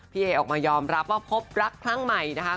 เอออกมายอมรับว่าพบรักครั้งใหม่นะคะ